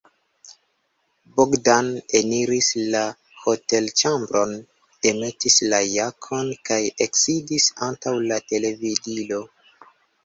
Bogdan eniris la hotelĉambron, demetis la jakon kaj eksidis antaŭ la televidilo.